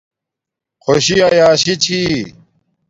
خوشی آیاشی چھی